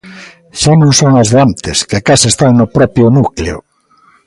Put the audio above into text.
Xa non son as de antes, que case están no propio núcleo.